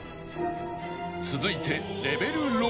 ［続いて］